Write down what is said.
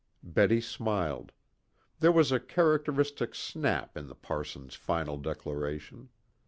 Betty smiled. There was a characteristic snap in the parson's final declaration.